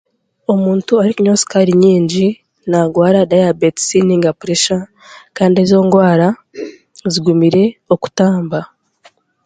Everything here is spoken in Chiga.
Omuntu orikunywa shukaari nyingi, naagwara dayabetisi nainga puresha kandi ezo ngwara zigumire okutamba.